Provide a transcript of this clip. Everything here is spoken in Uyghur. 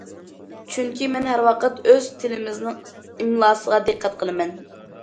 چۈنكى مەن ھەر ۋاقىت ئۆز تىلىمىزنىڭ ئىملاسىغا دىققەت قىلىمەن.